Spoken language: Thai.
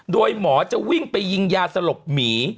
โดยหมอจะวิ่งไปยิงยาสลบหมี